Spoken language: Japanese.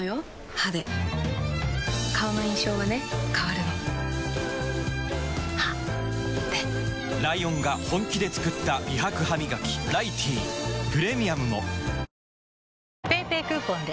歯で顔の印象はね変わるの歯でライオンが本気で作った美白ハミガキ「ライティー」プレミアムもＰａｙＰａｙクーポンで！